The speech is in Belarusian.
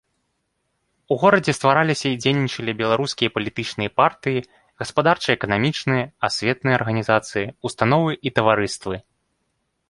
У горадзе ствараліся і дзейнічалі беларускія палітычныя партыі, гаспадарча-эканамічныя, асветныя арганізацыі, установы і таварыствы.